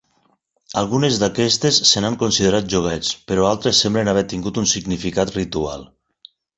Algunes d'aquestes se n'han considerat joguets, però altres semblen haver tingut un significat ritual.